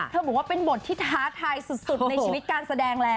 บอกว่าเป็นบทที่ท้าทายสุดในชีวิตการแสดงแล้ว